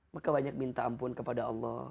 maka banyak minta ampun kepada allah